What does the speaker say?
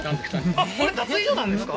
あっこれ脱衣所なんですか？